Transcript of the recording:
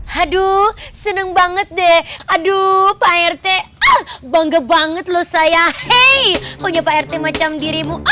haduh senang banget deh aduh pak rt ah bangga banget loh saya hei punya pak rt macam dirimu